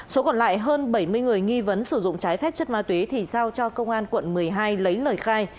số còn lại hơn bảy mươi người nghi vấn sử dụng trái phép chất ma túy thì giao cho công an quận một mươi hai lấy lời khai